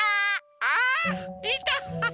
あっいた！